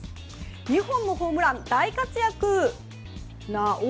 ２本のホームラン大活躍！